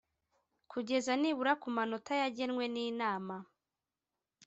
Kugeza nibura ku manota yagenwe n’Inama